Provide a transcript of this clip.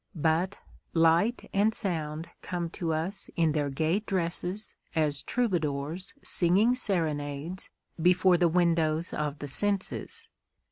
But light and sound come to us in their gay dresses as troubadours singing serenades before the windows of the senses.